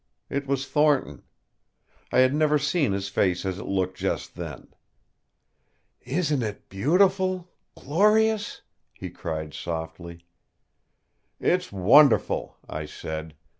It was Thornton. I had never seen his face as it looked just then. "Isn't it beautiful glorious?" he cried softly. "It's wonderful!" I said.